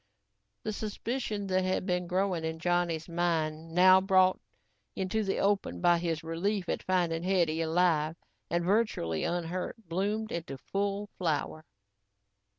The suspicion that had been growing in Johnny's mind, now brought into the open by his relief at finding Hetty alive and virtually unhurt, bloomed into full flower.